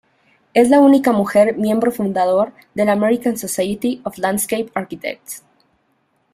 Es la única mujer miembro fundador del American Society of Landscape Architects.